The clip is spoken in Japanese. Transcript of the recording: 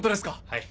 はい。